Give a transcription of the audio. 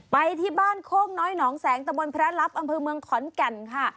ไปที่บ้านโคกน้อยหนองแสงตะบนพระลับอำเภอเมืองขอนแก่นค่ะ